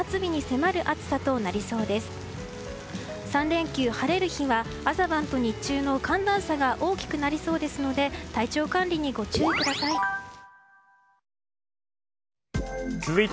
３連休、晴れる日は朝晩と日中の寒暖差が大きくなりそうですので体調管理にご注意ください。